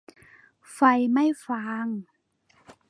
ไฟไหม้ฟาง